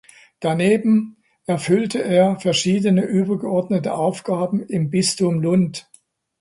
Daneben erfüllte er verschiedene übergeordnete Aufgaben im Bistum Lund.